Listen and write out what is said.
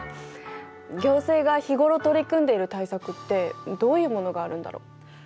行政が日頃取り組んでいる対策ってどういうものがあるんだろう。